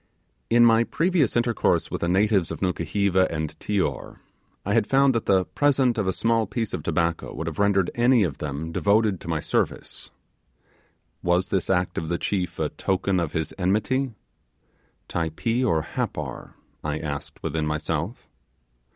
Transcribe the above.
In my previous intercourse with the natives of Nukuheva and Tior, I had found that the present of a small piece of tobacco would have rendered any of them devoted to my service. Was this act of the chief a token of his enmity? Typee or Happar? I asked within myself.